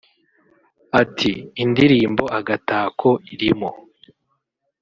Ati “Indirimbo ‘Agatako’ irimo